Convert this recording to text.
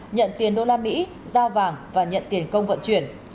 nhận tiền đô la mỹ giao vàng và nhận tiền công vận chuyển